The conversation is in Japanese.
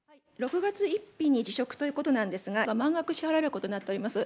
６月１日に辞職ということなんですが、満額支払われることになっております。